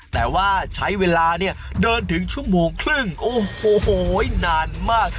แต่ว่าใช้เวลาเนี่ยเดินถึงชั่วโมงครึ่งโอ้โหนานมาก